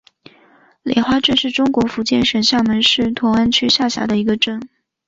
莲花镇是中国福建省厦门市同安区下辖的一个镇。